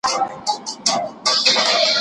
بشري قوانین د ژوند حق ته پوره پاملرنه نه کوي.